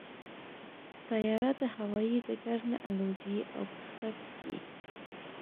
طیاره د هوايي ډګر نه الوزي او کښته کېږي.